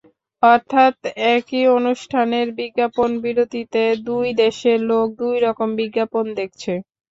অর্থাৎ, একই অনুষ্ঠানের বিজ্ঞাপন বিরতিতে দুই দেশের লোক দুই রকম বিজ্ঞাপন দেখছে।